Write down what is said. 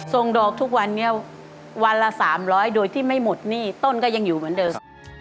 ส่งดอกทุกวันนี้วันละ๓๐๐โดยที่ไม่หมดหนี้ต้นก็ยังอยู่เหมือนเดิม